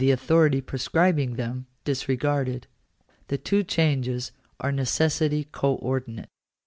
authority prescribing them disregarded. The two changes are of necessity co ordinate.